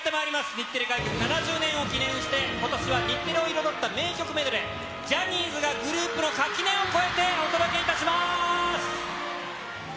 日テレ開局７０年を記念して、ことしは日テレを彩った名曲メドレー、ジャニーズがグループの垣根を越えてお届けいたします。